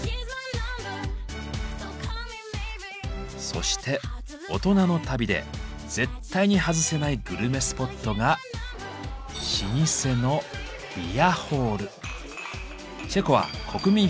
そして大人の旅で絶対に外せないグルメスポットが老舗のビアホール。